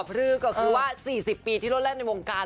พลือก็คือว่า๔๐ปีที่รถแล่นในวงการ